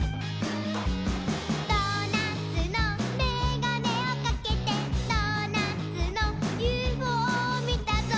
「ドーナツのメガネをかけてドーナツのＵＦＯみたぞ」